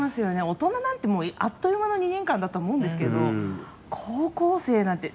大人なんて、あっという間の２年間だと思うんですけど高校生なんて。